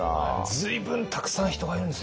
随分たくさん人がいるんですね。